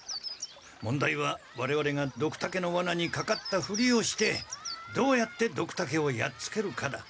問題はわれわれがドクタケのワナにかかったふりをしてどうやってドクタケをやっつけるかだ。